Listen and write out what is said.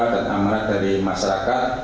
dan amat dari masyarakat